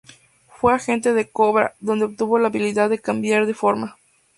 Fue agente de "Kobra", donde obtuvo la habilidad de cambiar de forma.